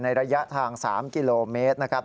ระยะทาง๓กิโลเมตรนะครับ